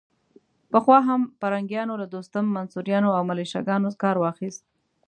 پخوا هم پرنګیانو له دوستم، منصوریانو او ملیشه ګانو کار واخيست.